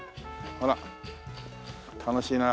ほら楽しいな。